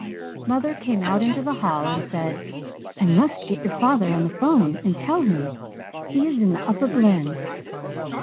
"Mother came out into the hall and said, 'I must get your father on the 'phone and tell him. He is in the Upper Glen.'